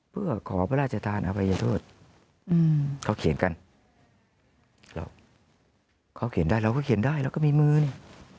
เพื่อขอพระราชทานอภัยโทษเขาเขียนกันเราเขาเขียนได้เราก็เขียนได้เราก็มีมือนี่